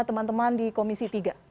teman teman di komisi tiga